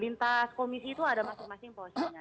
jadi lintas komisi itu ada masing masing porsinya